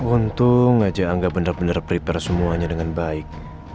untung aja angga bener bener prepare semuanya dengan baik